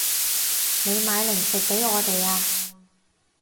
你買零食畀我哋啊